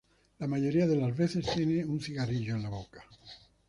La mayoría de las veces tiene un cigarrillo en la boca.